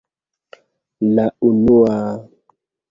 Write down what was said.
La unua...